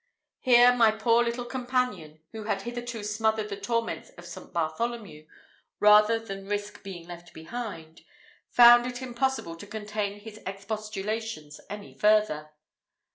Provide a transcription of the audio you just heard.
Here my poor little companion, who had hitherto smothered the torments of St. Bartholomew rather than risk being left behind, found it impossible to contain his expostulations any longer.